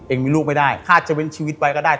มีลูกไม่ได้คาดจะเว้นชีวิตไปก็ได้